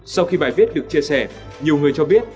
sau khi bài viết được chia sẻ nhiều người cho biết